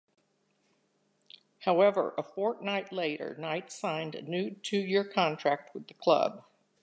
However, a fortnight later, Knight signed a new two-year contract with the club.